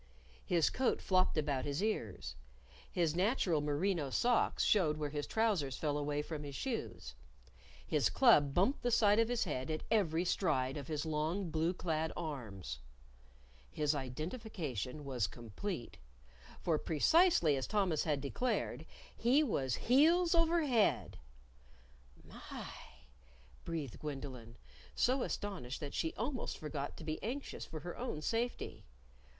His coat flopped about his ears. His natural merino socks showed where his trousers fell away from his shoes. His club bumped the side of his head at every stride of his long blue clad arms. His identification was complete. For precisely as Thomas had declared, he was heels over head. "My!" breathed Gwendolyn, so astonished that she almost forgot to be anxious for her own safety.